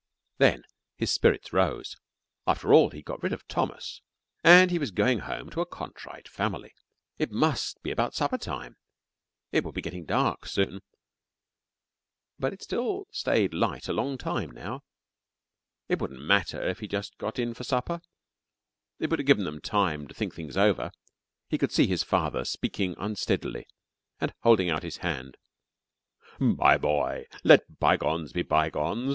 Then his spirits rose. After all, he'd got rid of Thomas, and he was going home to a contrite family. It must be about supper time. It would be getting dark soon. But it still stayed light a long time now. It wouldn't matter if he just got in for supper. It would have given them time to think things over. He could see his father speaking unsteadily, and holding out his hand. "My boy ... let bygones be bygones